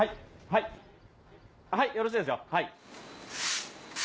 はいよろしいですよはい。